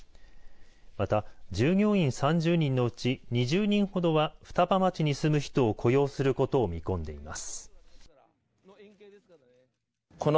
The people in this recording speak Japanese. また、従業員３０人のうち２０人ほどは双葉町に住む人を雇用することを見込んでいます。